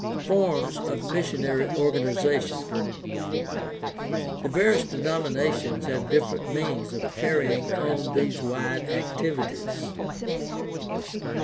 FORMS OF MISSIONARY ORGANIZATION The various denominations have different means of carry ing on these wide activities.